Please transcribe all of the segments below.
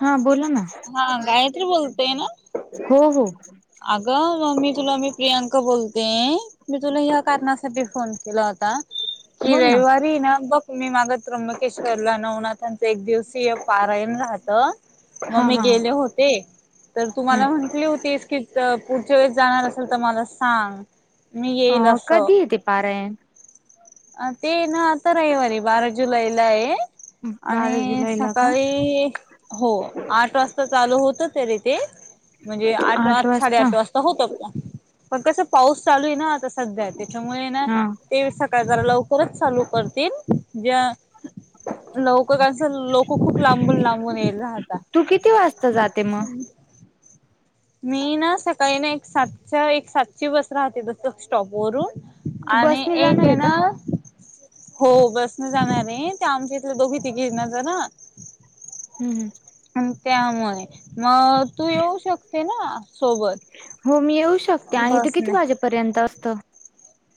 हा बोला ना हा गायत्री बोलतोय ना हो हो अगं मममी तुला मी प्रियांका बोलते मी तुला ह कारणासाठी फोन केला होता कि बोल ना रविवारी ना बघ मी माग त्र्यंबकेश्वरला नवनाथांचा एक दिवसीय पारायण राहत मग हा मी हा गेले हम्म होते तर तुम्हाला म्हंटली होतीस की तर पुढच्या वेळेस जाणार असेल तर मला सांग मी येईल असं ते पाार अ ते ना आता रविवारी बारा जुलैला आहे आणि बारा जुलैला का सकाळी हो आठ वाजता चालू होत तरी ते म्हणजे आठ वा साडे आठ वाजता होत पण पण कस पाऊस चालू आहे ना आता सध्या त्याच्यामुळे ना हा ते का जरा लवकरच चालू करतील ज्या लवकर लोक खूप लांबून लांबून ये राहता जात जाते मग मी ना सकाळी ना एक सातच्या एक सातची बस राहते तस स्टॉपवररून तू आणि बसने एक जाणार आहे ना का हो बसन जाणार आहे ते आमच्या इथले दोघी तिघे ना ज ना हम्म आणि त्यामुळे मग तू येऊ शकते ना सोबत हो मी येऊ शकते आणि ते बस किती नाही वाजेपर्यंत असतं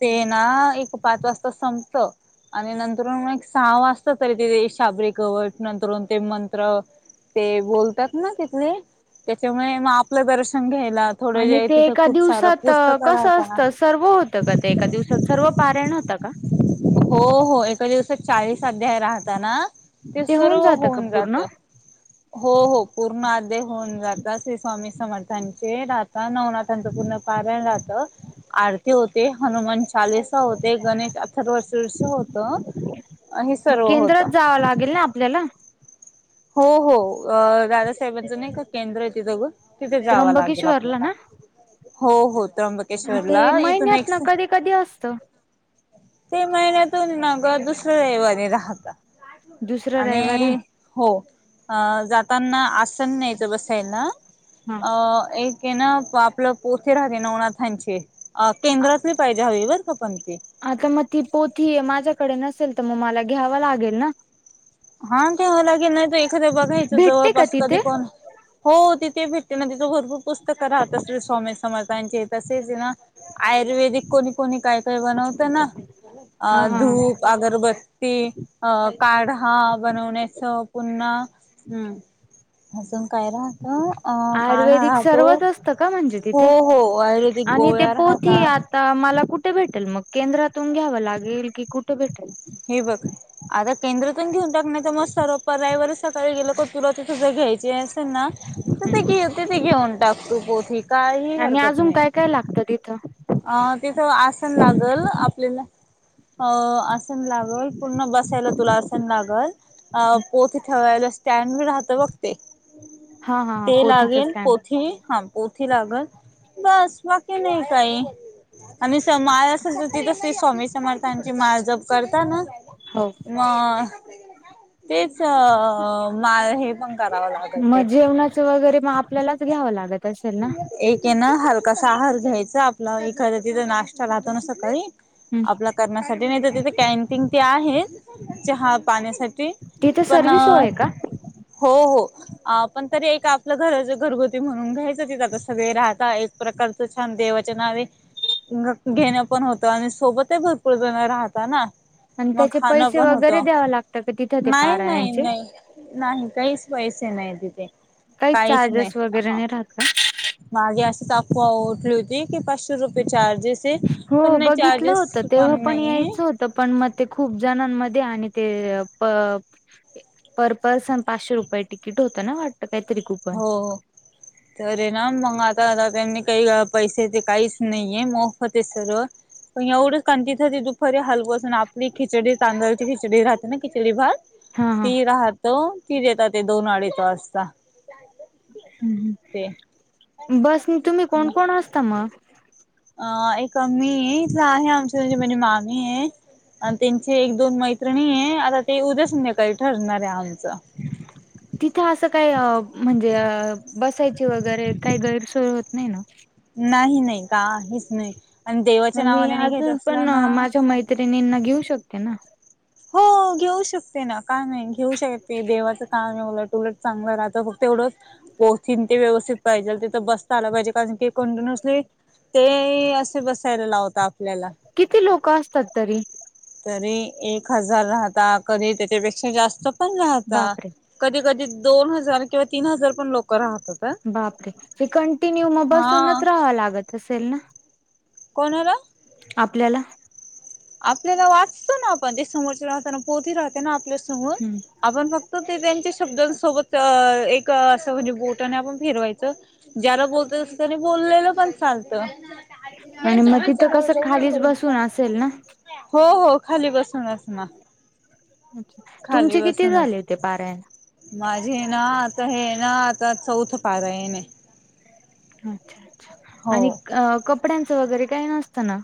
ते ना एक पाच वाजता संपत आणि नंतर एक सहा वाजता तरी ते शाबरीे कवट नंतर ते मंत्र ते बोलतात ना तिथले त्याच्यामुळे मग आपलं दर्शन घ्यायला थोडं आणि जे ते तिथं एका खूप सारं दिवसांत पुस्तकं कसं राहता असतं सर्व होतं कां ते एका दिवसांत सर्व पारांयण होत कां हो हो एका दिवसांत चाळीस अध्याय राहता नां ते सर्व जातं का होऊन पूर्ण जातं हो हो पूर्ण आदय होऊन जात श्री स्वामी समर्थांचे राहात नवनाथांचं पूर्ण पण राहत आरती होते हनुमान चालीसा होते गणेश अठरा वर्षष होत मग केंद्रात जावं लागेल ना आपल्याला हो हो दादासाहेबांचं नाही का केंद्र आहे ते दघून तिथे जावं लागेल त्र्यंबकेश्वरला आपल्याला ना हो हो त्र्यंबकेश्वर ते ला इथून महिन्यात ना एक्स कधी कधी असतं ते महिन्यातून नग दुसऱ्या रैवने राहता दुसरं रविवारी आणि हो जाताना आसन नाहीयचं बसायला हा एक क ना आपलं पोथ राहते नवनाथांचे केंद्रातली पाहिजे हवी बर का पण ते आता मग ती पोथी माझ्याकडे नसेल तर मग मला घ्यावं लागेल ना हां ठव लागेल नाहीत एखादं बघायचं भेटते का जवळपास कधी तिथे कोण हो तिथे भेटते नां तिथं भरंपूर पुस्तकं राहा असतील स्वामी समर्थांचे तेसेच हे नां आयुर्वेदिक कोणी कोणी कायं कायं बनवत नां हा अ हा धूप अगरबत्ती अ काढ हां बनवण्यांच पुन्हा हम्मं. अजून काय राहतो अ काळ राहतो. संगळ म्हणजे हो तिथे हो आयुर्वेदिक आणि ते गोळ्या पोथी. राहता आता मला कुठे भेटेल मगं केंद्रांतून घ्यावं लागेल की कुठे भेटेल. हे बंघ. आता केंद्रातून घेऊन टाकयचा मस्त रोप रवीवारी सकाळीं गेलं का तुला तीथू नजं घ्यायचं. जे असेलना तर ते घेऊन ते टाकतो पोथी कांहीं हरकत नाहीं. कायं लागतं तिथं. अ तिथं आसनं लागलं आपल्याला आं लागलं पूर्णा बसायला तुलान आसणं लागलं पोथी ठेवाय. स्टँड पण राहत बघते हा हा ते पोथीच लागेल स्टँड पोथी हां. पोथी लागलं बसं बाकी नाहीं कांहीं. आणि स माळ असं दिलं ते स्वामी समर्थांची माळजंप करतांना. हो मगं तेचं माळ हे पणं करावां लागते. चवघडी वगैरे मगं आपल्यालाच घ्यावां लागतं असेल नां. एक आहे नां हलकासा आहार घ्यायचा आपल्याला एखादा तिथं नाश्ता लाततो ना सकाळीं. हम्म आपल्या करण्यासाठी नाहीं तरं तिथे कॅन्टीन ते आहे. चहा पाण्यासाठी तिथे सर्व सोय पणं. आहे का हो हो पणं तरी एक आपल्या घरांचे घरगुती म्हणून घ्यायचं. आता सगळे राहतांत एक प्रकारचं छान देवचंनाव आहे. घेणं पणं होतं आणि सोबत भरंपूर जणं राहतात नां. आणि मगं त्याचे खाणं पैसे पणं वगैरे होतं द्याव लागतं का तिथं ते नाहीं नाहीं पारायणचे नाहीं. नाहीं कांहीच पैसे नाहीं तिथे. कांहीं काहीच नाही चार्जेस वगैरे हा नाहीं राहातं का. मागे अशी अफवा उडली होती की पाचशे रुपये चार्जेस आहे. ते पणं हो नाहीं चार्जेस पणं नाहीं आहे. तरं पणं मगं ते खूप जणांमध्ये आणि ते पर पर्सन पाचशे रुपये तिकीट होतं नां वाटतं कांहीतरी खूप. हो हो. तरं नां मगं आता आता त्यांनी कांहीं पैसे ते कांहीच नाहीये मोफत आहे सर्व. पणं एवढंच कां तिथं ते दुपारी हलवत. आपली खिचडी तांदळाची खिचडी राहते नां खिचडी भात हा हा ती राह त ती देता ते दोन अडीच वाजता. ते बस तुम्हीं कोणं कोणं असता मगं. अ एक मी इथलं आहे आमच्या म्हे म्हणजे मामी आहे. आणि त्यांची एक दोन मैत्रिणी आहे आता ते उद्या संध्याकाळी ठरणार आहे आमचं. [unintelligible] तिथे असं कांहीं म्हणजे बसायची वगैरे कांहीं गैरसोय होतं नाहीं नां. नाहीं नाहीं कांहीच नाहीं आणि देवांच्या नांवाने नि घेतं असलनां. त्यानी यांना घेऊ शकते नां. हो घेऊ शकते नां कायं नाहीं घेऊ शकते देवाचं काम आहे उलटं. उलट चांगलं राहतं फक्तं एव्हढंच. पोथि ते व्यवस्थित पाहिजे तिथं बसता आला पाहिजे कारणं की कंटिन्युज नाही. ते असे बसायला लावता आपल्यांला. किती लोकं असतांत तरी. तरी एक हजार राहता कधी त्यांच्यापेक्षा जास्तं पणं राहतात. बापरे कधी कधी दोन हजार किंवा तीन हजार पण लोक राहतात. बापरे ते कंटिन्यू मग हा बसूनच राहावं लागत असेल ना. कोण हला आपल्याला. आपल्याला वाचतो ना आपण ते समोरच्या राहताना पोती राहते ना आपल्यासमोर. हम्म आपण फक्त ते त्यांच्या शब्दांसोबत एक असं म्हणजे बोटने आपण फेरवायचं. ज्यारा बोलत अस त्यानी बोललेलं पण चालत. आणि मग तिथं कसं खालीच बसून असेल ना. हो हो खाली बसूनस ना. खाली तुमचे किती बसूनच. झाले ते पारायण. माझे ना आता हे ना आता चौथ पारायण येणे. हो आणि कपड्यांचं वगैरे काही नसत ना.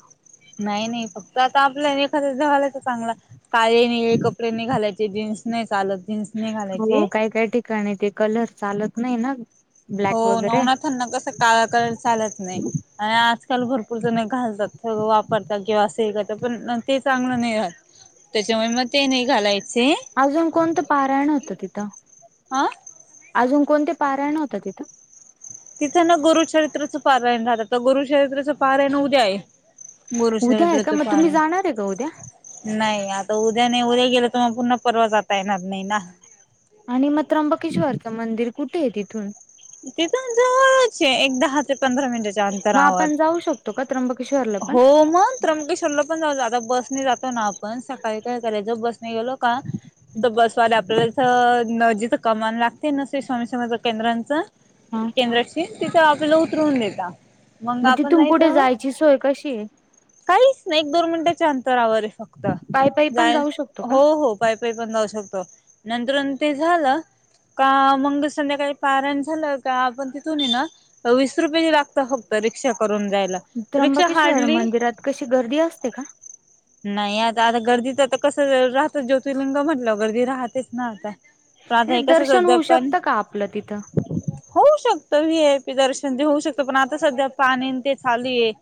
नाही नाही फक्त आता आपल्या एखाद्या जवालाच. चांगला काळे निळे कपडे नाही घालायचे जीन्स नाही चालत जीन्स नाही घालायची. आणि ते कलर चालत नाही ना. हो ब्लॅक वगैरे नवनाथना कस काळा कलर चालत नाही. आणि आजकाल भरपूर जण घालतात वापरतात किंवा असेल करतात पण ते चांगलं नाही राहात. त्याच्यामुळे मग ते नाही घालायच. अजून कोणतं पारायण होतं तिथं? हा अजून कोणते पारायण होतं तिथं? तिथं ना गुरुचरित्रचं पारायण झालं तर गुरुचरित्रचं पारायण उद्या आहे. उद्या आहे गुरुचरित्र का च मग तुम्ही पारायण. जाणार आहे का उद्या नाही आता उद्या नाही उद्या गेलं तर मग पुन्हा परवा जाता येणार नाही ना. आणि मग त्र्यंबकेश्वरचं मंदिर कुठे आहे तिथून? तिथ जवळच एक दहा ते पंधरा मिनिटाच्या अंतरावर. होऊ शकतो काय त्र्यंबके हो मग! त्र्यंबकेश्वर पण जाऊ आता बसने जातो ना आपण सकाळी काय कराय ज बसने गेलो का तर बसवाल्या आपल्याला इथं न जिथं कमान लागते न स्वामी समर्थ केंद्रांचं. हा केंद्रातशील तिथं आपल्याला उतरवून देता मग आपण जायचं ची सोय कशी. काहीच नाही एक दोन मिनिटाच्या अंतरावरे फक्त पायी पायी पण जाय जाऊ शकतो का हो हो. पाय पय पण लावू शकतो नंतर ते झालं प का मग संध्याकाळी पाराण झालं का आपण तिथून ये ना. वीस रुपयेची लागत फक्त रिक्षा करून जायला. रिक्षा त्र्यंबकेश्वर हार्डली मंदिरात कशी गर्दी असते का? नाही आता आता गर्दीच आता कस राहत ज्योतिर्लिंग म्हटलं गर्दी राहतेच ना आता. पण आता नाही हे कसं दर्शन सध्या होऊ पण शकतं का आपलं तिथं? होऊ शकतं वी. एय. पी. दर्शन जे होऊ शकतं पण आता सध्या पाणी ते चालुये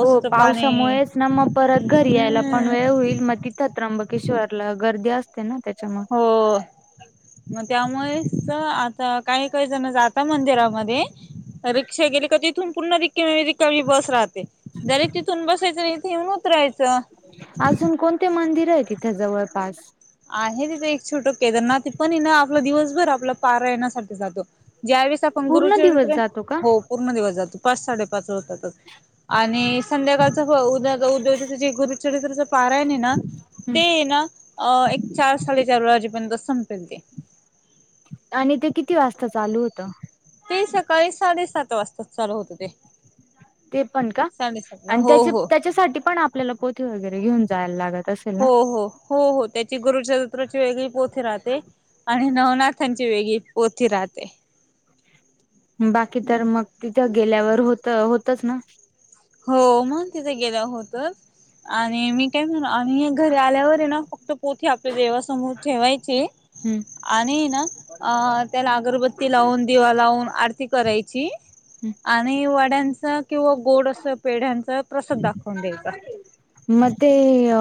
हो पाणी. पावसामुळेच ना मग परत घरी यायला पण हम्म वेळ होईल मग तिथं त्र्यंबकेश्वरला गर्दी असते ना त्याच्या मग. हो. मग त्यामुळे आता काही कयच ना जाता मंदिरामध्ये रिक्षा गेली का तिथून पुन्हा रिक्म रिक्का बस राहात. जरी तिथून बसायचं आणि इथे येऊन उतराहायचं. अजून कोणते मंदिर आहे तिथे जवळपास. आहे तिथे एक छोटं केदारनाथ ते पण ना आपला दिवसभर आपला पारा येण्यासाठी जातो. ज्यावेेळेस आपण पूर्ण दिवस गुरुचरित्रे जातो का? हो. र म ज पाच साडे पाच होता तर आणि संध्याकाळ उद उदच जे गुरु चरित्रचा पारायण ना ते ना एक चार साडेचार वेळाजेपर्यंत संपेल ते. आणि ते किती वाजता चालू होतं? ते सकाळी साडेसात वाजता चालू होत ते. ते पण का साडेसातला आणि त्या हो हो त्याच्यासाठी पण आपल्याला पोथी वगैरे घेऊन जायला लागत अस हो, हो, हो, हो त्याची गुरुचरित्राची वेगळी पोथी राहते. आणि नवनाथांची वेगळी पोथी राहते. बाकी तर मग तिथं गेल्यावर होत होतच ना. हो मग तिथे गेल्यावर होत. आणि मी काय म्हण आणि घरी आल्यावर आहे ना फक्त पोथी आपल्या देवासमोर ठेवायची हम्म. आणि ना अ त्याला अगरबत्ती लावून, दिवा लावून आरती करायची आणि वाड्यांचा किंवा गोड अस पेढ्यांचा प्रसाद दाखवून द्यायचा. मे अ...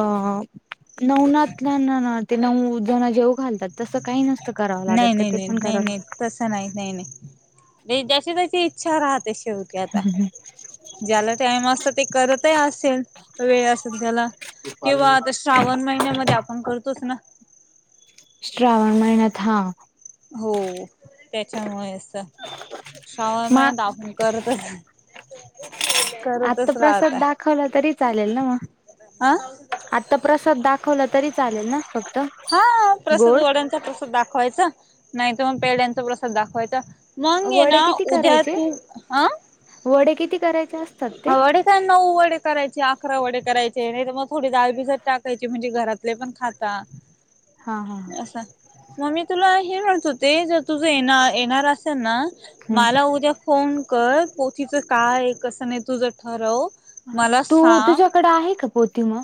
नवनात ना ना ना ते नऊ जण जेव घालतात तसं काही नसत. करावं नाही लागत का नाही ते नाही पण नाही करावं नाही लागत. तसं नाही नाही ज्याची त्याची इच्छा राहते शेवटी आता. ज्याला टाइम असत ते करतही असेल वेळ असेल त्याला. किंवा आता श्रावण महिन्यामध्ये आपण करतोच ना. श्रावण महिन्यात हा. हो त्याच्यामुळे त. श्रावण मग महिन्यात आपून करतच. आता करतच प्रसाद राहता दाखवला तरी चालेल ना मग? ह आता प्रसाद दाखवला तरी चालेल ना फक्त? हा प्रसाद गोड वड्यांचा प्रसाद दाखवायचा नाहीतर मग पेड्यांचा प्रसाद दाखवायचा. मग हाय वडे ना किती उद्या करायचे तू हं वडे किती करायचे असतात ते? वडे नऊ वडे करायचे, अकरा वडे करायचे नाही तर मग थोडी डाळ भिजात टाकायची म्हणजे घरातले पण खातात. हम् [inaudible] हा हा ह. म मी तुला हे म्हणत होते जर तुझं येणार येणार असेल ना हम्म मला उद्या फोन कर पोथीचं काय कसं नाही तुझं ठरव मला तू सांग तुझ्याकडे आहे का पोती मग?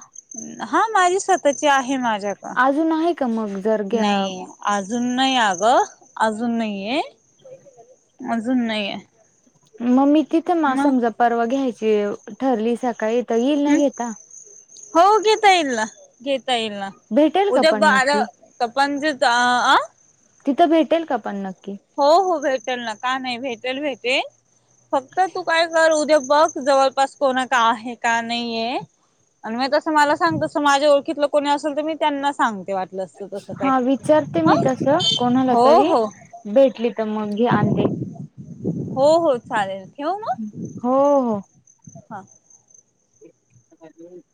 हा माझी स्वतःची आहे माझ्याकड अजून आहे का मग? जर घ्या नाही. अजून नाही अगं अजून नाही आहे, अजून नाहीय. मग मी तिथे मा समजा परवा घ्यायची ठरली सकाळी येईल ना हम् घेता. हो घेता येईल ना घेता येईल न. भेटेल का उद्या पण बरा नक्की त पणच अ [unintelligible] तिथं भेटेल का पण नक्की? हो हो भेटेल ना का नाही भेटेल भेटेल फक्त तू काय कर उद्या बघ जवळपास कोणा काड आहे का नाहीय. आणि मी तसं मला सांगतसं माझ ओळखीलं कोणी असेल तर मी त्यांना सांगते वाट नसल तस काय हा विचारते ह मी तसं कोणाला हो तरी हो. भेटली तर मग घी आणते. हो हो चालेल ठेव मग? हो हो. हा. ह [unintelligible]